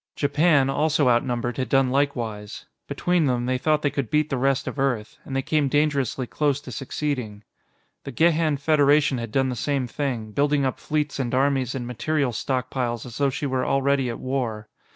Japan, also outnumbered, had done likewise. Between them, they thought they could beat the rest of Earth. And they came dangerously close to succeeding. The Gehan Federation had done the same thing, building up fleets and armies and material stockpiles as though she were already at war.